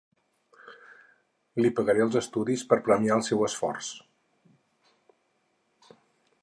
Li pagaré els estudis per premiar el seu esforç.